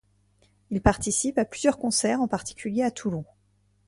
Il participe à plusieurs concerts en particulier à Toulon.